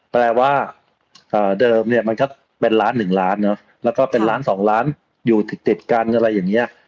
แปลว่าเดิมมันจะเป็นร้าน๑ร้านแล้วก็เป็นร้าน๒ร้านอยู่ติดกันอะไรอย่างนี้